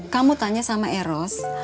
kamu tanya sama eros